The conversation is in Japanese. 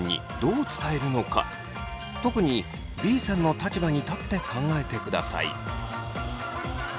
特にＢさんの立場に立って考えてください。